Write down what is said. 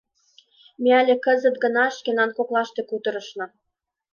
— Ме але кызыт гына шкенан коклаште кутырышна.